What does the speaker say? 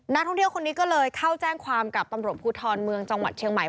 นักท่องเที่ยวคนนี้ก็เลยเข้าแจ้งความกับตำรวจภูทรเมืองจังหวัดเชียงใหม่